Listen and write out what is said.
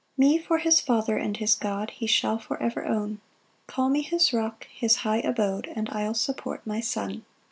5 "Me for his Father and his God "He shall for ever own, "Call me his rock, his high abode; "And I'll support my Son.